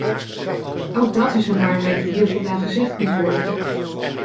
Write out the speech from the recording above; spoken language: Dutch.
Ook dat is een waarheid die hier vandaag gezegd moet worden!